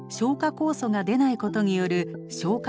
酵素が出ないことによる消化